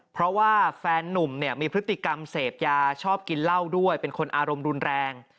เพราะว่าแฟนนุ่มเนี่ยมีพฤติกรรมเสพยาชอบกินเหล้าด้วยเป็นคนอารมณ์รุนแรง